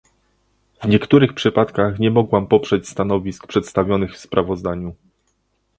W niektórych przypadkach nie mogłam poprzeć stanowisk przedstawionych w sprawozdaniu